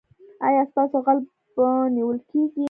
ایا ستاسو غل به نیول کیږي؟